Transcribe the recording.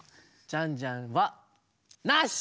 ジャンジャンはなし！